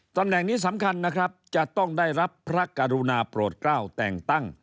ตำแหน่งนี้สำคัญนะครับจะต้องได้รับพระกรุณาโปรดกล้าวแต่งตั้ง